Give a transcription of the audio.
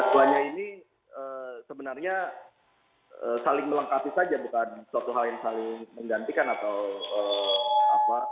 duanya ini sebenarnya saling melengkapi saja bukan suatu hal yang saling menggantikan atau apa